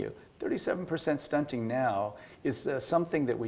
setiap tahun yang lalu